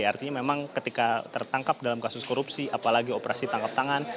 artinya memang ketika tertangkap dalam kasus korupsi apalagi operasi tangkap tangan